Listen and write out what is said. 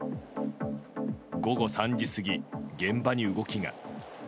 午後３時過ぎ、現場に動きが。